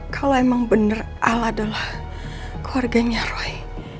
kalau emang bener al adalah keluarganya roy